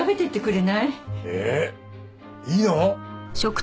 えっいいの？